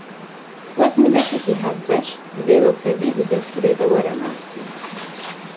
Wek miletekî hevbeş, divê wekhevî di destûrê de were nasîn